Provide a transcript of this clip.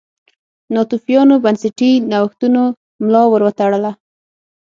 ناتوفیانو بنسټي نوښتونو ملا ور وتړله.